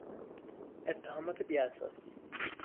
اتهامات بیاساس